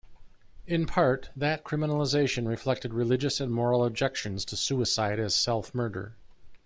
In part, that criminalization reflected religious and moral objections to suicide as self-murder.